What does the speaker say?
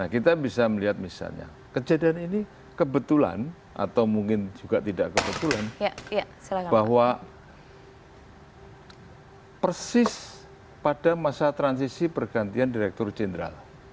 kita bisa melihat misalnya kejadian ini kebetulan atau mungkin juga tidak kebetulan bahwa persis pada masa transisi pergantian direktur jenderal